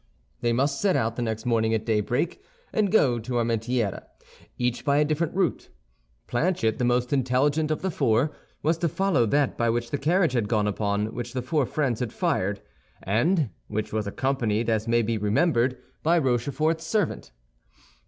They must set out the next morning at daybreak, and go to Armentières—each by a different route. Planchet, the most intelligent of the four, was to follow that by which the carriage had gone upon which the four friends had fired, and which was accompanied, as may be remembered, by Rochefort's servant.